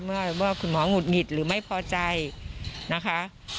ว่าคุณหมอหงุดหงิดหรือไม่พอใจนะคะ